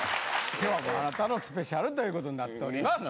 今日はあなたのスペシャルということになっております。